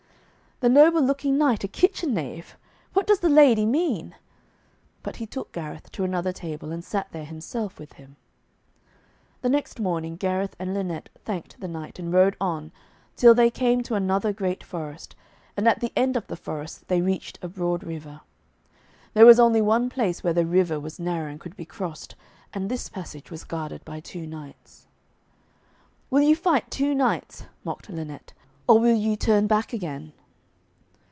'The noble looking knight a kitchen knave! What does the lady mean!' But he took Gareth to another table, and sat there himself with him. The next morning Gareth and Lynette thanked the knight, and rode on, till they came to another great forest, and at the end of the forest they reached a broad river. There was only one place where the river was narrow and could be crossed, and this passage was guarded by two knights. 'Will you fight two knights,' mocked Lynette, 'or will you turn back again?'